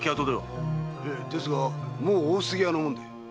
へいですがもう大杉屋のもんで。